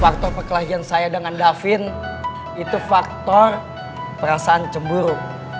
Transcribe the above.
faktor perkelahian saya dengan davin itu faktor perasaan cemburu